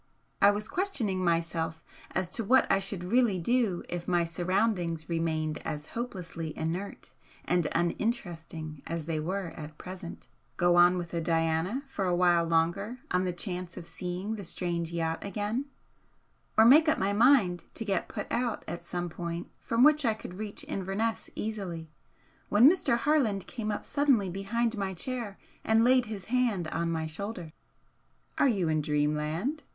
I was questioning myself as to what I should really do if my surroundings remained as hopelessly inert and uninteresting as they were at present, go on with the 'Diana' for a while longer on the chance of seeing the strange yacht again or make up my mind to get put out at some point from which I could reach Inverness easily, when Mr. Harland came up suddenly behind my chair and laid his hand on my shoulder. "Are you in dreamland?"